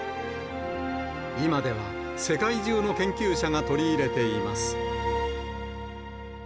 今では世界中の研究者が取り入れています。